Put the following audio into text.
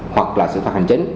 hoặc là xử phạt hành chính